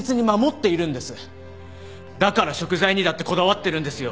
だから食材にだってこだわってるんですよ。